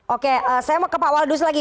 oke saya mau ke pak waldus lagi